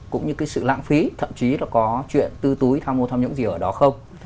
về cái sự lãng phí thậm chí nó có chuyện tư túi tham mô tham nhũng gì ở đó không